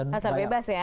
pasar bebas ya